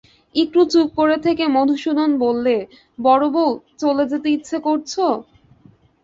একটু চুপ করে থেকে মধুসূদন বললে, বড়োবউ, চলে যেতে ইচ্ছে করছ?